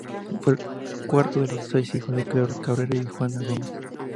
Fue el cuarto de los seis hijos de Claro Cabrera y de Juana Gómez.